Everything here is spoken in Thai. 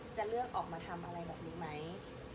จะเลือกออกมาทำอะไรแบบนี้ไหม